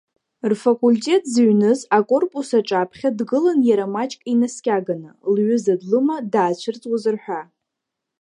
Рфакультет зыҩныз акорпус аҿаԥхьа дгылан иара маҷк инаскьаганы, лҩыза длыма даацәырҵуазар ҳәа.